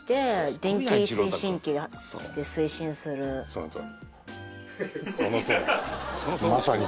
そのとおり。